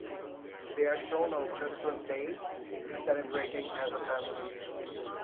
They are shown on Christmas Day, celebrating as a family.